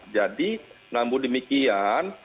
jadi namun demikian